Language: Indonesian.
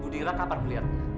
bu lira kapan melihat